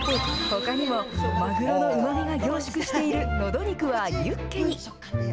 ほかにも、マグロのうまみが凝縮しているのど肉はユッケに。